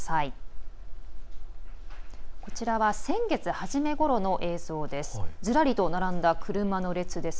こちらは先月初めごろの映像です。